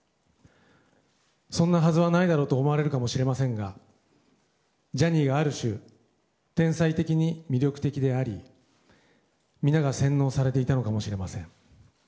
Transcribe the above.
そんなはずはないだろうと思われるかもしれませんがジャニーがある種天才的に魅力的であり皆が洗脳されていたのかもしれません。